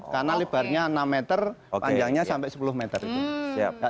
karena lebarnya enam meter panjangnya sampai sepuluh meter itu